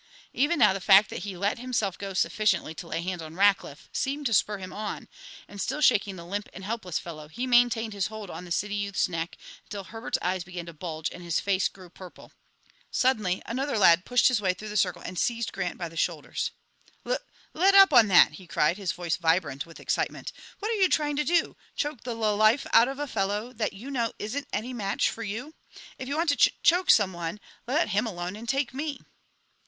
Even now the fact that he let himself go sufficiently to lay hands on Rackliff seemed to spur him on, and, still shaking the limp and helpless fellow, he maintained his hold on the city youth's neck until Herbert's eyes began to bulge and his face grew purple. Suddenly another lad pushed his way through the circle and seized Grant by the shoulders: "Lul let up on that!" he cried, his voice vibrant with excitement. "What are you trying to do, choke the lul life out of a fellow that you know isn't any match for you? If you want to ch choke somebody, let him alone and take me."